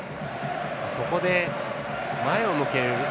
そこで前を向ける。